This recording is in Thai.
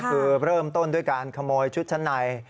คือเริ่มต้นด้วยการขโมยชุดชั้นใน